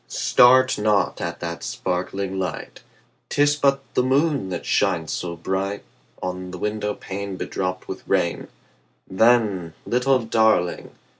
start not at that sparkling light; 'Tis but the moon that shines so bright On the window pane bedropped with rain: Then, little Darling!